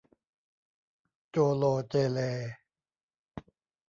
โจ่โหล่เจ่เหล่